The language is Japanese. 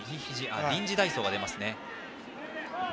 臨時代走が出ます。